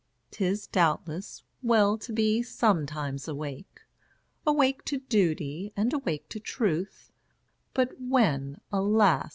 'Tis, doubtless, well to be sometimes awake, Awake to duty, and awake to truth, But when, alas!